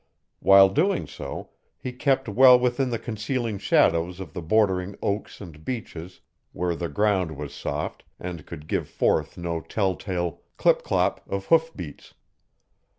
While doing so, he kept well within the concealing shadows of the bordering oaks and beeches where the ground was soft and could give forth no telltale clip clop of hoofbeats.